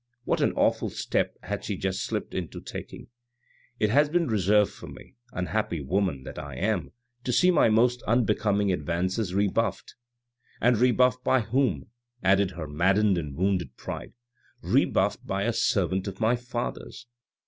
What an awful step had she just slipped into taking !" It has been reserved for me, unhappy woman that I am, to see my most unbecoming advances rebuffed ! and 43Q THE RED AND THE BLACK rebuffed by whom?" added her maddened and wounded pride; "rebuffed by a servant of my father's!